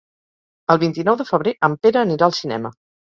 El vint-i-nou de febrer en Pere anirà al cinema.